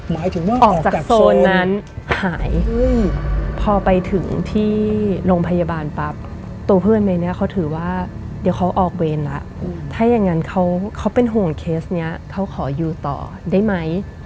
หมายถึงว่าออกจากโซนนั้นหายพอไปถึงที่โรงพยาบาลปั๊บตัวเพื่อนเมย์เนี่ยเขาถือว่าเดี๋ยวเขาออกเวรแล้วถ้าอย่างนั้นเขาเป็นห่วงเคสนี้เขาขออยู่ต่อได้ไหม